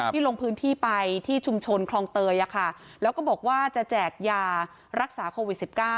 ลงพื้นที่ไปที่ชุมชนคลองเตยแล้วก็บอกว่าจะแจกยารักษาโควิด๑๙